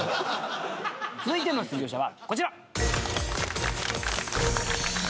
続いての出場者はこちら。